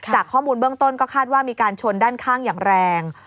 จากข้อมูลเบื้องต้นก็คาดว่ามีการชนด้านข้างอย่างแรง